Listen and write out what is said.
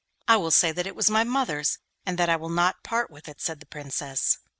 'I will say that it was my mother's, and that I will not part with it,' said the Princess.